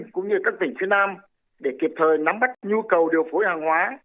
cũng như các tỉnh phía nam để kịp thời nắm bắt nhu cầu điều phối hàng hóa